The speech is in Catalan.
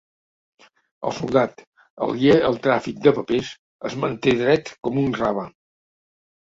El soldat, aliè al tràfic de papers, es manté dret com un rave.